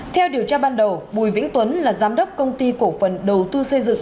theo điều tra ban đầu bùi vĩnh tuấn là giám đốc công ty cổ phần đầu tư xây dựng